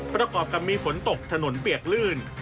ประกอบกับมีฝนตกถนนเปียกลื่น